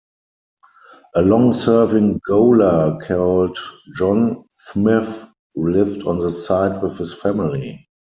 A long serving gaoler called John Smith lived on site with his family.